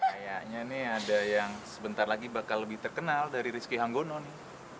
kayaknya nih ada yang sebentar lagi bakal lebih terkenal dari rizky hanggono nih